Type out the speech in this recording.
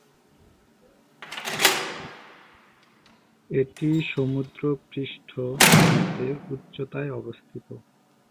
এটি সমুদ্র পৃষ্ঠ হতে উচ্চতায় অবস্থিত।